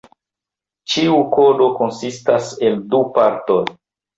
Ĉiu kodo konsistas el du partoj.